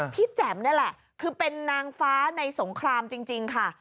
แจ๋มนี่แหละคือเป็นนางฟ้าในสงครามจริงค่ะ